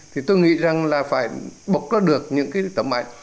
thì tôi nghĩ rằng là phải bốc ra được những cái tấm mạng